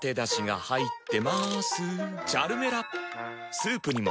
スープにも。